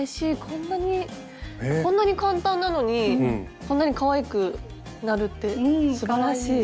こんなに簡単なのにこんなにかわいくなるってすばらしい。